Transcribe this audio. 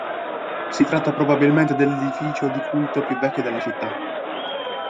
Si tratta probabilmente dell'edificio di culto più vecchio della città.